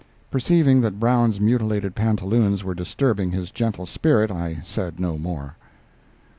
Perceiving that Brown's mutilated pantaloons were disturbing his gentle spirit, I said no more.